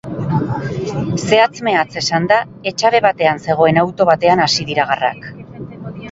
Zehatz-mehatz esanda, etxabe batean zegoen auto batean hasi dira garrak.